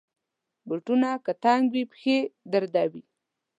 بوټونه که تنګ وي، پښه دردوي.